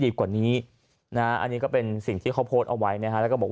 กว่านี้นะอันนี้ก็เป็นสิ่งที่เขาโพสต์เอาไว้นะฮะแล้วก็บอก